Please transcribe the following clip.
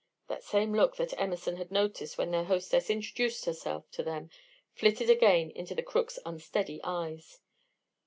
The same look that Emerson had noted when their hostess introduced herself to them flitted again into the crook's unsteady eyes.